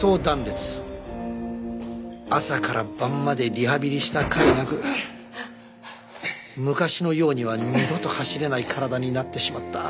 朝から晩までリハビリしたかいなく昔のようには二度と走れない体になってしまった。